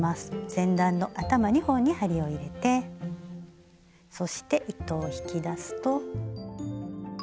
前段の頭２本に針を入れてそして糸を引き出すと。